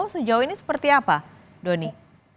sejauh ini seperti apa doni